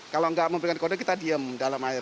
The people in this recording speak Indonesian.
kalau tidak memberikan kode kita diem dalam air